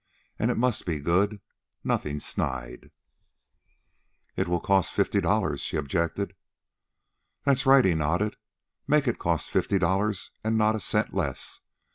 And it must be good. Nothin' snide." "It will cost fifty dollars," she objected. "That's right," he nodded. "Make it cost fifty dollars and not a cent less.